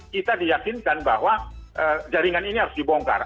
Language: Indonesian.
kita diyakinkan bahwa jaringan ini harus dibongkar